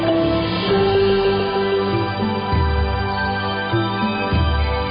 อังเอย